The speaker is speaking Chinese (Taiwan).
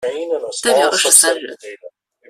代表二十三人